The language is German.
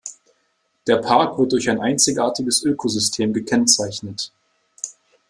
Der Park wird durch ein einzigartiges Ökosystem gekennzeichnet.